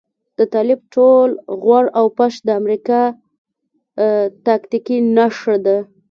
د طالب ټول غور او پش د امريکا تاکتيکي نښه ده.